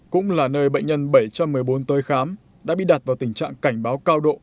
cũng là nơi bệnh nhân bảy trăm một mươi bốn tới khám đã bị đặt vào tình trạng cảnh báo cao độ